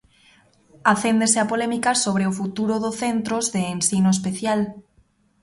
Acéndese a polémica sobre o futuro do centros de ensino especial.